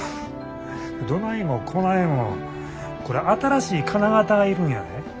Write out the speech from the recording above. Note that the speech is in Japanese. どないもこないもこれ新しい金型が要るんやで。